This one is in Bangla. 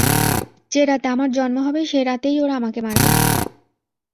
যে-রাতে আমার জন্ম হবে সেই রাতেই ওরা আমাকে মারবে।